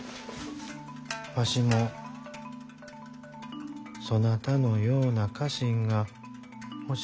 わしもそなたのような家臣が欲しいのう。